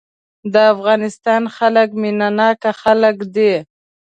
د افغانستان خلک مينه ناک خلک دي.